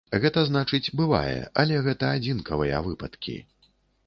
Гэта значыць, бывае, але гэта адзінкавыя выпадкі.